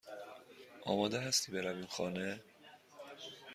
آماده هستی برویم خانه؟